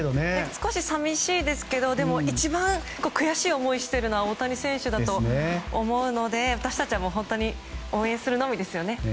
少し寂しいですけど一番悔しい思いをしているのは大谷選手だと思うので私たちは本当にもう応援するのみですよね。